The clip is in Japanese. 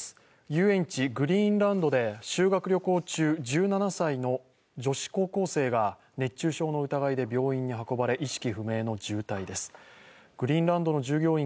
遊園地グリーンランドで修学旅行中、１７歳の女子高校生が熱中症の疑いで病院に運ばれました。